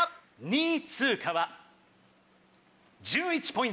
２位通過は１１ポイント